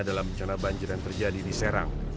dalam bencana banjir yang terjadi di serang